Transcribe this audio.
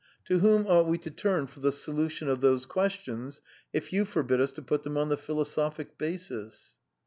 To whom ought we to turn for the solution of those questions if you forbid us to put them on the philosophic basis?"